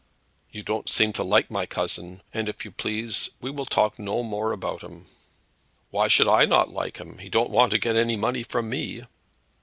'" "You don't seem to like my cousin, and if you please, we will talk no more about him." "Why should I not like him? He don't want to get any money from me."